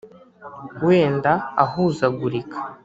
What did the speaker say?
wenda ahuzagurika